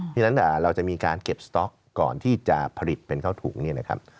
เพราะฉะนั้นเราจะมีการเก็บสต๊อกก่อนที่จะผลิตเป็นข้าวถุงเนี่ยนะครับ